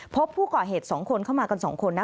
พบผู้ก่อเหตุ๒คนเข้ามากัน๒คนนะ